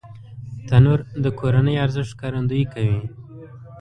تنور د کورنی ارزښت ښکارندويي کوي